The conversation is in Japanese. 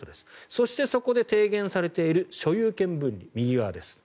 そして、そこで提言されている所有権分離右側です。